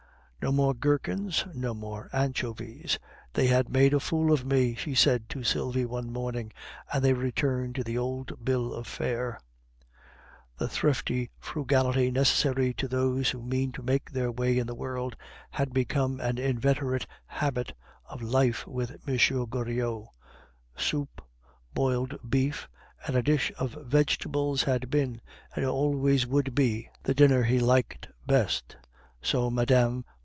"No more gherkins, no more anchovies; they have made a fool of me!" she said to Sylvie one morning, and they returned to the old bill of fare. The thrifty frugality necessary to those who mean to make their way in the world had become an inveterate habit of life with M. Goriot. Soup, boiled beef, and a dish of vegetables had been, and always would be, the dinner he liked best, so Mme.